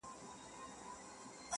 د زاريو له دې کښته قدم اخله;